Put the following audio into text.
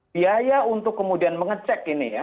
biaya untuk kemudian mengecek ini ya